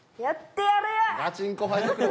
やってやるよ！